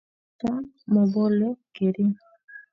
Murchechang mobole kering